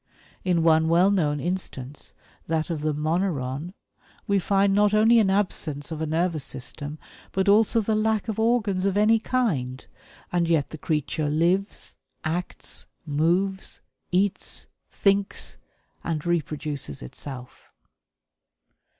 In one well known instance, that of the moneron, we find not only an absence of a nervous system but also the lack of organs of any kind and yet the creature lives, acts, moves, eats, thinks, and reproduces itself.